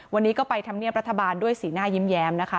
วันนี้ก็ไปทำเนียบรัฐบาลด้วยสีหน้ายิ้มแย้มนะคะ